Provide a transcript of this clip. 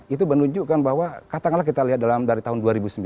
itu menunjukkan bahwa katakanlah kita lihat dari tahun dua ribu sembilan